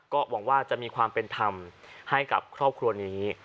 ก็หวังว่าจะมีความเป็นธรรมให้กับครอบครัวนี้